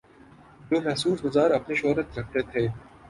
جو مخصوص بازار اپنی شہرت رکھتے تھے۔